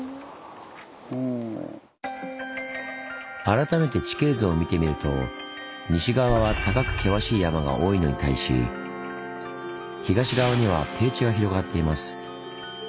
改めて地形図を見てみると西側は高く険しい山が多いのに対し東側には低地が広がっています。